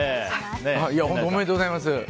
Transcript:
本当、おめでとうございます。